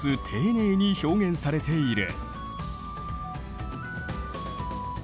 丁寧に表現されている。